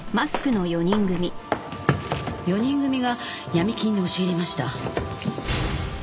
４人組が闇金に押し入りました。